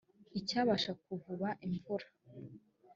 icyabasha kuvuba imvura